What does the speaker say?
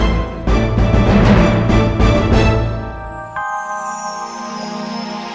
izinkan saya masuk ke dalam